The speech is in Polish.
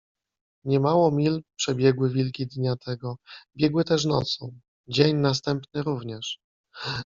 Niemało mil przebiegły wilki dnia tego. Biegły też nocą. Dzień następny również